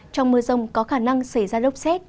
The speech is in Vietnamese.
trong mưa rông có khả năng xảy ra lốc xét